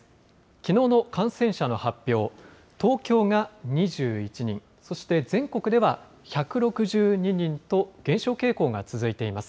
きのうの感染者の発表、東京が２１人、そして全国では１６２人と、減少傾向が続いています。